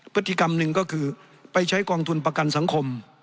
พฤติกรรมหนึ่งก็คือไปใช้กองทุนประกันสังคม